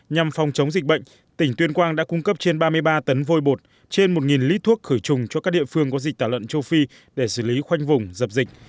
nhằm phòng chống dịch bệnh tỉnh tuyên quang đã cung cấp trên ba mươi ba tấn vôi bột trên một lít thuốc khởi trùng cho các địa phương có dịch tả lợn châu phi để xử lý khoanh vùng dập dịch